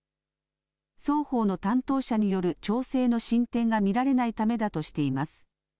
双方の担当者による調整の進展が見られないためだとしています。